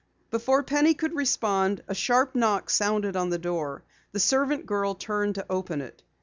Before Penny could respond, a sharp knock sounded on the door. The servant girl turned to open it.